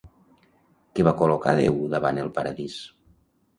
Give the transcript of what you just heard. Què va col·locar Déu davant el Paradís?